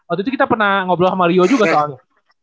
waktu itu kita pernah ngobrol sama rio juga soalnya